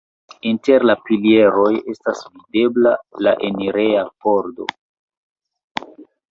Inter la pilieroj estas videbla la enireja pordo.